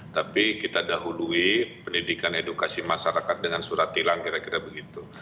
tapi kita dahului pendidikan edukasi masyarakat dengan surat tilang kira kira begitu